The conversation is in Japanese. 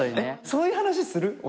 そういう話する？